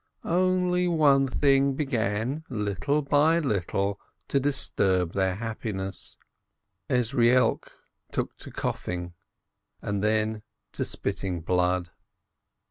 Only one thing began, little by little, to disturb their happiness : Ezrielk took to cough ing, and then to spitting blood.